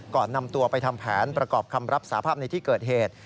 ก่อนนำตัวไปทำแผนประกอบคำรับสาภาพในที่เกิดเหตุ